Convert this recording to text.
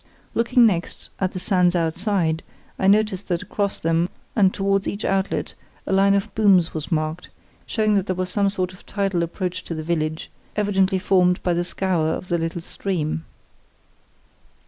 Looking next at the sands outside, I noticed that across them and towards each outlet a line of booms was marked, showing that there was some sort of tidal approach to the village, evidently formed by the scour of the little stream.